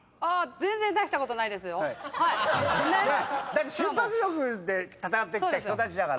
だって瞬発力で戦ってきた人たちだから。